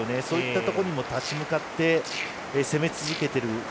そういったところにも立ち向かって攻め続けている。